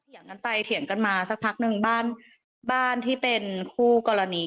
กันไปเถียงกันมาสักพักนึงบ้านบ้านที่เป็นคู่กรณี